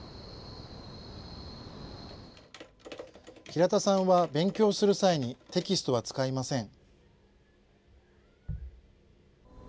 平田さんは勉強する際に、テキストは使いません。